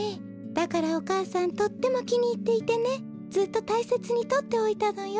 だからお母さんとってもきにいっていてねずっとたいせつにとっておいたのよ。